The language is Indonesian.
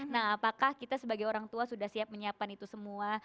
nah apakah kita sebagai orang tua sudah siap menyiapkan itu semua